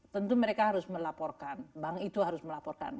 tentu mereka harus melaporkan bank itu harus melaporkan